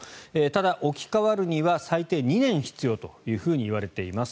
ただ、置き換わるには最低２年必要といわれています。